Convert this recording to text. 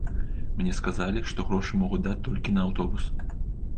Мне сказалі, што грошы могуць даць толькі на аўтобус.